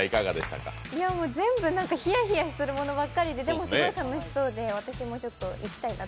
全部ひやひやするものばっかりででもすごい楽しそうで、私もちょっと行きたいなって。